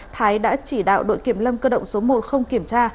thái đã chỉ đạo đội kiểm lâm cơ động số một không kiểm tra